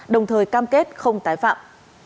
đồng thời cam kết không tái phạm